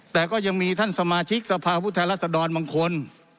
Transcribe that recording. แต่ก็ยังมีท่านสมาชิกสภาพุทธแทนรัศดรบางคน